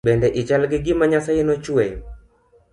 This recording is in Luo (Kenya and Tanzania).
Bende i chal gi gima nyasaye no chweyo